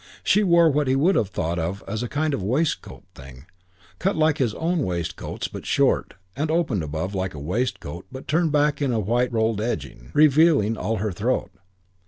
She wore what he would have thought of as a kind of waistcoat thing, cut like his own waistcoats but short; and opened above like a waistcoat but turned back in a white rolled edging, revealing all her throat.